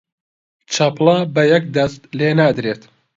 چەپڵە بە یەک دەست لێ نادرێت